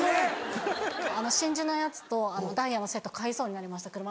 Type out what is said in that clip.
あの真珠のやつとダイヤのセット買いそうになりました